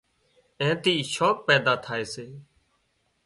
اين ٿي شوق پيدا ٿائي سي